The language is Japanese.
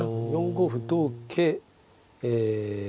４五歩同桂え